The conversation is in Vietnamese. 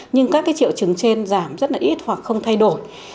nhưng các triệu chứng trên giảm rất là ít hoặc không thay đổi